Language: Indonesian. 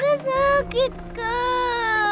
aku sakit kak